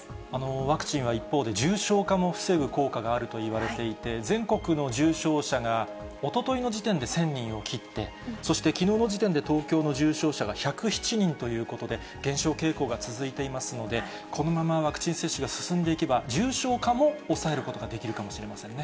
ワクチンは一方で重症化も防ぐ効果があるといわれていて、全国の重症者がおとといの時点で１０００人を切って、そしてきのうの時点で東京の重症者が１０７人ということで、減少傾向が続いていますので、このままワクチン接種が進んでいけば、重症化も抑えることができるかもしれませんね。